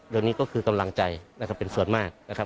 เดี๋ยวนี้ก็คือกำลังใจนะครับเป็นส่วนมากนะครับ